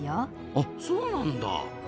あそうなんだ。